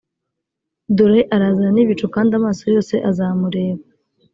dore arazana n ibicu kandi amaso yose azamureba